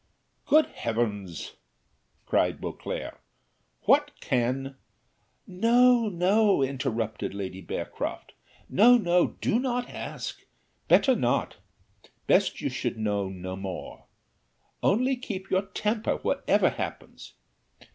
"Good Heavens!" cried Beauclerc, "what can " "No, no," interrupted Lady Bearcroft, "no, no, do not ask better not; best you should know no more only keep your temper whatever happens.